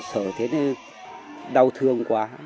khổ sở thế này đau thương quá